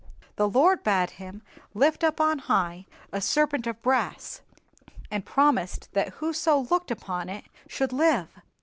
The Lord bade him lift up on high a serpent of brass, and promised that whoso looked upon it should live."